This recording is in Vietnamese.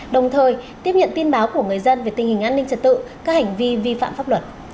đồng thời tiếp nhận tin báo của người dân về tình hình an ninh trật tự các hành vi vi phạm pháp luật